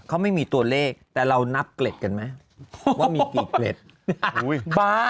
เขาไม่มีตัวเลขแต่เรานับเกล็ดกันไหมว่ามีกี่เกล็ด